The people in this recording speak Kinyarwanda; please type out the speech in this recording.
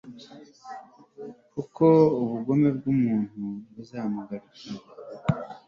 kuko ubugome bw'umuntu buzamugaruka